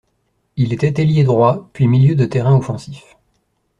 Il était ailier droit puis milieu de terrain offensif.